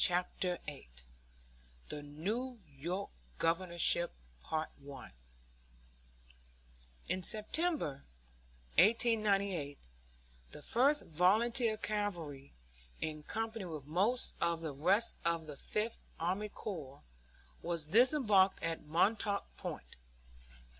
CHAPTER VIII THE NEW YORK GOVERNORSHIP In September, 1898, the First Volunteer Cavalry, in company with most of the rest of the Fifth Army Corps, was disembarked at Montauk Point.